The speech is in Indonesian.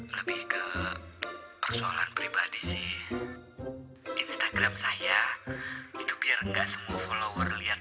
lebih ke persoalan pribadi sih instagram saya itu biar enggak semua follower lihat